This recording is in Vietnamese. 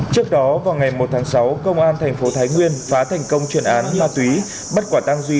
trước đó vào ngày một tháng sáu công an tp thái nguyên phá thành công truyền án ma túy bắt quả tăng duy